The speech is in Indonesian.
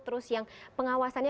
terus yang pengawasannya